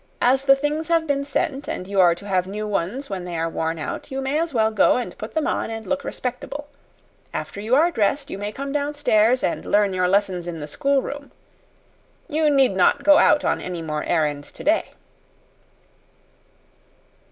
As the things have been sent, and you are to have new ones when they are worn out, you may as well go and put them on and look respectable. After you are dressed you may come downstairs and learn your lessons in the schoolroom. You need not go out on any more errands today."